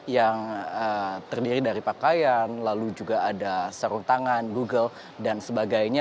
yang terdiri dari pakaian lalu juga ada sarung tangan google dan sebagainya